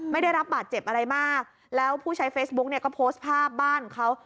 ไม่ได้รับบาดเจ็บอะไรมากแล้วผู้ใช้เฟซบุ๊กเนี่ยก็โพสต์ภาพบ้านของเขา